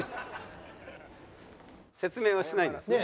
説明はしないんですね。